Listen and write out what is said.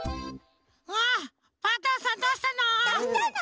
あパンタンさんどうしたの？